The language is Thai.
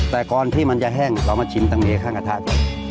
แต่ก่อนที่มันจะแห้งเรามาชิมตะเมย์ข้างกระทะกัน